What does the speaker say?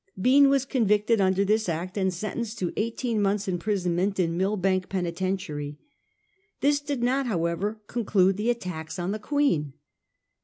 Bean was convicted under this act and sentenced to eighteen months' imprisonment in MiUbank Penitentiary. This did not, however, conclude the attacks on the Queen.